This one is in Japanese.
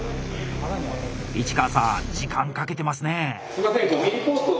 市川さん時間かけてますね。